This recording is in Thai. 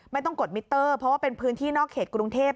กดมิเตอร์เพราะว่าเป็นพื้นที่นอกเขตกรุงเทพ